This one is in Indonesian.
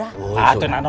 udah nggak usah mang